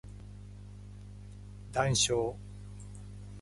談笑